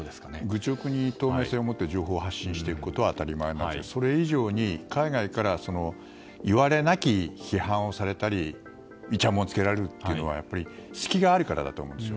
愚直に透明性を持った情報を発信していくことは当たり前なんですがそれ以上に、海外からいわれなき批判をされたりいちゃもんをつけられるのは隙があるからだと思うんです。